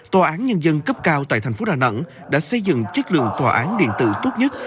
tòa án nhân dân cấp cao tại thành phố đà nẵng đã xây dựng chất lượng tòa án điện tử tốt nhất